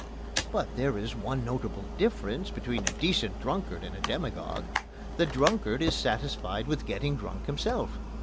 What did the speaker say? But there is one notable difference between a decent drunkard and a demagogue. The drunkard is satisfied with getting drunk himself.